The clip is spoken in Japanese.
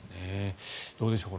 どうでしょう。